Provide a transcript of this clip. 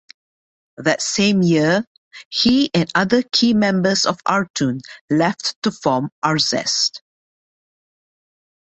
That same year, he and other key members of Artoon left to form Arzest.